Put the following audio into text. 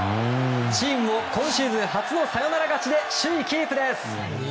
チームも今シーズン初のサヨナラ勝ちで首位キープです。